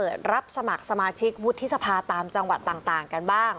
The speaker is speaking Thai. รับสมัครสมาชิกวุฒิสภาตามจังหวัดต่างกันบ้าง